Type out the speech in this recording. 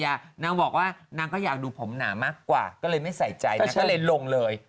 นางบอกว่านางก็อยากดูผมหนามากกว่าก็เลยไม่ใส่ใจนางก็เลยลงเลย